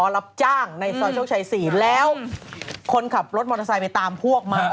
รับจ้างในซอยโชคชัย๔แล้วคนขับรถมอเตอร์ไซค์ไปตามพวกมา